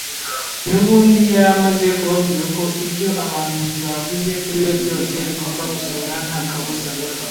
N'ubundi yari amaze kubabwira ko ibyo abahanuzi bavuze kuri we byose bigomba gusohora nta kabuza.